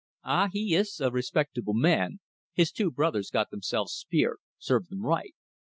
"Ah! He is a respectable man. His two brothers got themselves speared served them right.